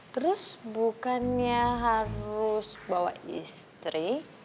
terus bukannya harus bawa istri